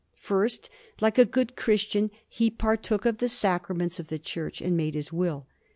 First, like a good Christian, he partook of the Sacraments of the Church, and made his will.